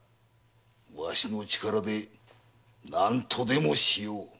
わしの力で何とでもしよう。